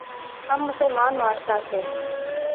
ہم مسلمان معاشرہ تھے۔